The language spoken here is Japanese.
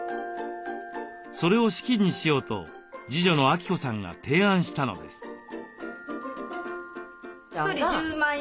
それを資金にしようと次女の亜希子さんが提案したのです。